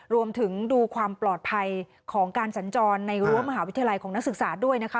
ดูความปลอดภัยของการสัญจรในรั้วมหาวิทยาลัยของนักศึกษาด้วยนะคะ